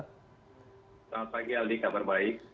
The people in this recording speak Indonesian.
selamat pagi aldi kabar baik